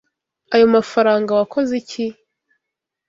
Ayo mafaranga wakoze iki?